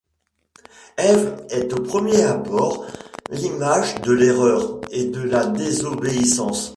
Ève est au premier abord l’image de l’erreur et de la désobéissance.